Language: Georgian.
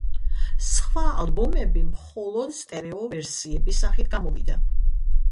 სხვა ალბომები მხოლოდ სტერეო ვერსიების სახით გამოვიდა.